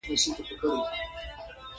دَ لا ور نه وو پورې کړ، چې بهر چغې شوې